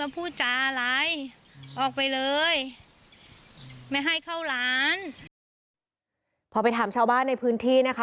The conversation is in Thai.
พอไปถามชาวบ้านในพื้นที่นะคะ